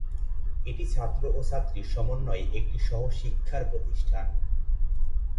এটি ছাত্র ও ছাত্রীর সমন্বয়ে একটি সহ শিক্ষার প্রতিষ্ঠান।